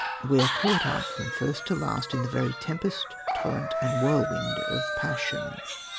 We are caught up from first to last in the very tempest, torrent and whirlwind of passion.